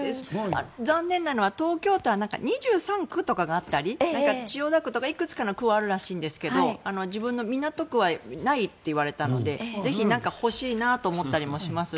残念なのは東京都とかは２３区とかはあったり千代田区とかいくつかの区はあるらしいんですが自分の港区はないと聞いたのでぜひ欲しいなと思ったりもしますし。